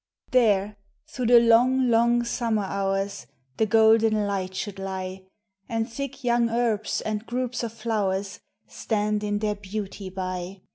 There, through the long, long, summer hours The golden light should lie, And thick young herbs and groups of flowers Stand in their beauty by.